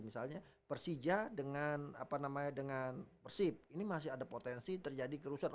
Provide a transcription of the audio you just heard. misalnya persija dengan apa namanya dengan persib ini masih ada potensi terjadi kerusuhan